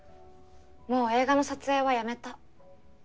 もう映画の撮影はやめた。